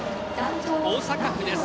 大阪府です。